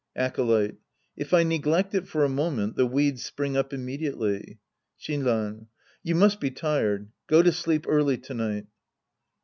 Acolyte. If I neglect it for a moment, the weeds spring up immediately. Shinran. You must be tired. Go to sleep early to night.